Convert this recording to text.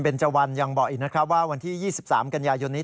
เบนเจาะวันยังบอกอีกล่ะว่าวันที่๒๓กันยายุ่นนี้